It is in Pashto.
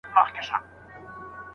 څه وخت وروسته د مصر قافله هلته تيرېده.